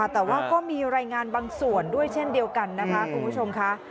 แต่ว่าก็มีรายงานบางส่วนด้วยเช่นเดียวกันนะคะคุณผู้ชมค่ะ